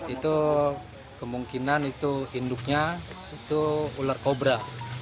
itu kemungkinan itu induknya itu ular kobra